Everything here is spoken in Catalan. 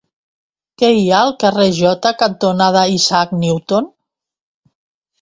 Què hi ha al carrer Jota cantonada Isaac Newton?